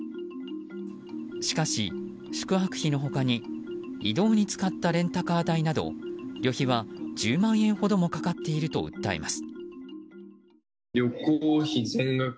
しかし、宿泊費の他に移動に使ったレンタカー代など旅費は１０万円ほどもかかっていると訴えます。